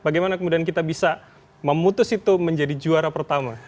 bagaimana kemudian kita bisa memutus itu menjadi juara pertama